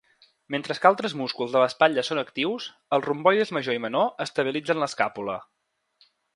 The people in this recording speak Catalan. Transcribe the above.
Mentre que altres músculs de l'espatlla són actius, els romboides major i menor estabilitzen l'escàpula.